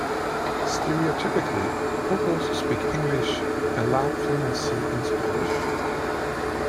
Stereotypically, pochos speak English and lack fluency in Spanish.